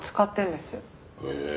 へえ！